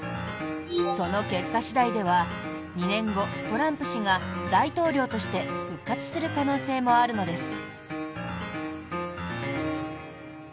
その結果次第では２年後、トランプ氏が大統領として復活する可能性もあるのです。